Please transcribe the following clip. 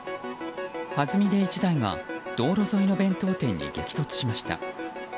はずみで１台が道路沿いの弁当店に激突しました。